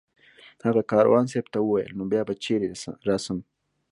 هغه کاروان صاحب ته وویل نو بیا به چېرې رسم